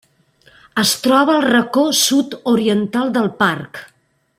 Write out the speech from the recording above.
Es troba al racó sud-oriental del parc.